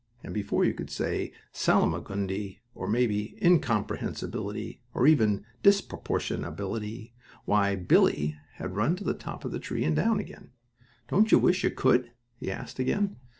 and before you could say Salimagundy or maybe incomprehensibility or even disproportionability, why Billie had run to the top of the tree and down again. "Don't you wish you could?" he asked again.